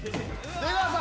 出川さん。